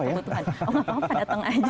oh gak apa apa datang aja